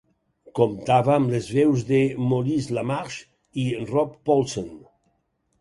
Comptava amb les veus de Maurice LaMarche i Rob Paulsen.